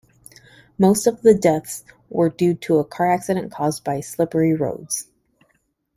Most of the deaths were due to car accidents caused by slippery roads.